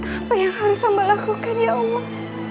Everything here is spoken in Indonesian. apa yang harus amba lakukan ya allah